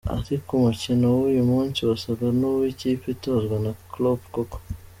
Ariko umukino w'uyu munsi wasaga n'uw'ikipe itozwa na Klopp koko.